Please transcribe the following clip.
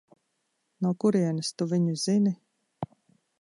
No kurienes tu viņu zini?